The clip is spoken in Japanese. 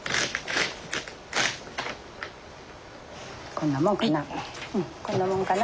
こんなもんかな。